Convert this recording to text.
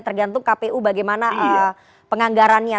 tergantung kpu bagaimana penganggarannya